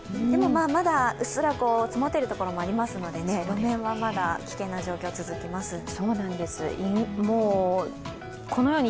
でもまだうっすら積もっているところもありますので、路面はまだ危険な状況が続きます。